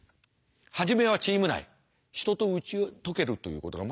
初めはチーム内人と打ち解けるということが全くできない。